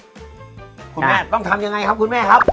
คุณแม่ต้องทำยังไงครับคุณแม่ครับ